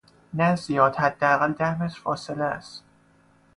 نه زیاد حداقل ده متر فاصله هست